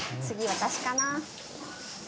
次私かな。